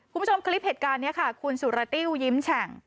คุณผู้ชมคลิปเหตุการณ์นี้ค่ะคุณสุรติ้วยิ้มแฉ่ง